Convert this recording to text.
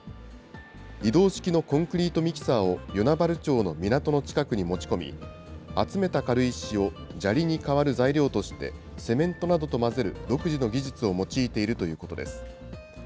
移動式のコンクリートミキサーを与那原町の港の近くに持ち込み、集めた軽石を砂利に代わる材料として、セメントなどと混ぜる独自の技術を用いているということです。